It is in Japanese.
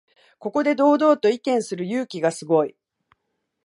ここで堂々と意見する勇気がすごい